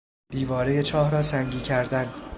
دیوارهی چاه را سنگی کردن